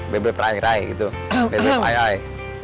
bebek rai rai gitu bebek ai ai